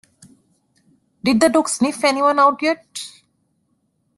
Did the dog sniff anyone out yet?